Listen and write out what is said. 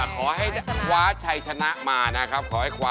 ขอให้คว้าชัยชนะมานะครับ